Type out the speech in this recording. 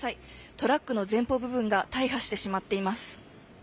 トラックの前方部分が大破してしまっています。